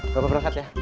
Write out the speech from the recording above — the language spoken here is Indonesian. bapak berangkat ya